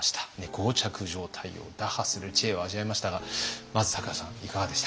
膠着状態を打破する知恵を味わいましたがまず咲楽さんいかがでした？